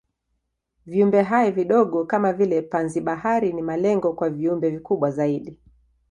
Viumbehai vidogo kama vile panzi-bahari ni malengo kwa viumbe vikubwa zaidi.